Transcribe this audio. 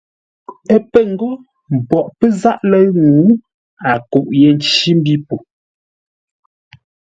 Ə́ pə̂ ńgó mboʼ pə́ záʼ lə̂ʉ ŋuu, a kûʼ yé ncí mbî po.